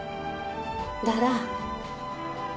だら。